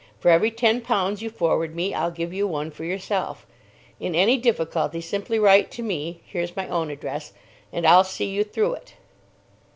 For every ten pounds you forward me, I'll give you one for yourself. In any difficulty, simply write to me—here's my own address—and I'll see you through it."